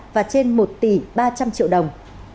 và trên một tỷ ba trăm linh triệu đồng